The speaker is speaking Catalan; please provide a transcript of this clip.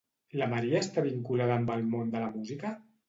La Maria està vinculada amb el món de la música?